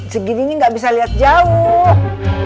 segininya gak bisa lihat jauh